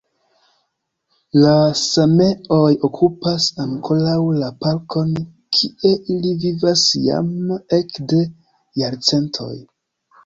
La sameoj okupas ankoraŭ la parkon, kie ili vivas jam ekde jarcentoj.